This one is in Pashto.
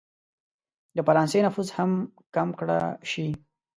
د فرانسې نفوذ هم کم کړه شي.